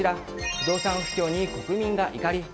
不動産不況に国民が怒り。